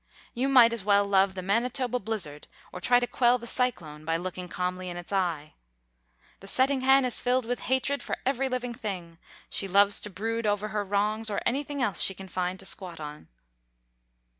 You might as well love the Manitoba blizzard or try to quell the cyclone by looking calmly in its eye. The setting hen is filled with hatred for every living thing. She loves to brood over her wrongs or anything else she can find to squat on.